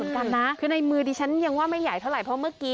มีประชาชนในพื้นที่เขาถ่ายคลิปเอาไว้ได้ค่ะ